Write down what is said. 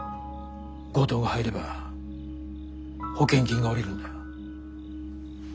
強盗が入れば保険金が下りるんだ。